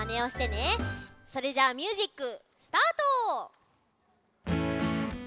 それじゃあミュージックスタート！